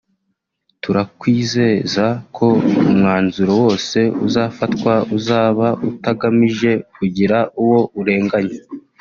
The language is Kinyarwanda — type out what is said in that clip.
turakwizeza ko umwanzuro wose uzafatwa uzaba utagamije kugira uwo urenganya